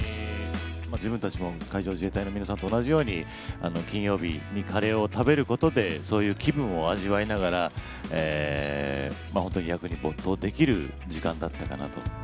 自分たちも海上自衛隊の皆さんと同じように、金曜日にカレーを食べることで、そういう気分を味わいながら、本当に役に没頭できる時間だったかなと。